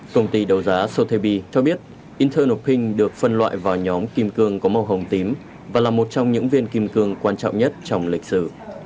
công ty đầu giá sotheby cho biết internal pink được phân loại vào nhóm kim cương có màu hồng tím và là một trong những viên kim cương quan trọng nhất trong lịch sử